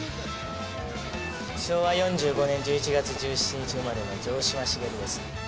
昭和４５年１１月１７日生まれの城島茂です。